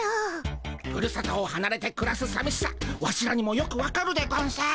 ふるさとをはなれてくらすさみしさワシらにもよくわかるでゴンス。